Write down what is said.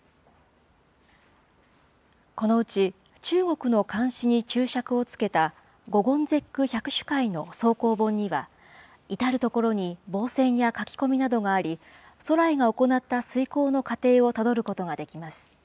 このうち、中国の漢詩に注釈をつけた五言絶句百首解の草稿本には、至る所に傍線や書き込みなどがあり、徂徠が行った推こうの過程をたどることができます。